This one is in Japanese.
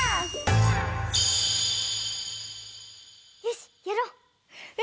よしやろう。